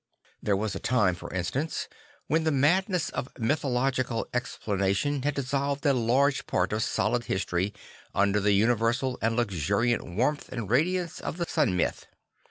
There was a time, for instance, when the madness of mythological explanation had dissolved a large part of solid history under the universal and luxuriant warmth and radiance of the Sun Myth.